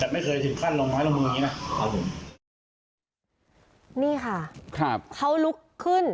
แต่ไม่เคยถึงขั้นลงไม้ลงมืออย่างงี้นะครับผมนี่ค่ะครับเขาลุกขึ้น